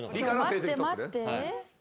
待って待って。